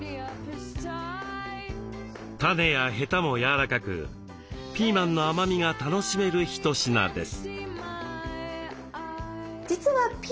種やヘタもやわらかくピーマンの甘みが楽しめる一品です。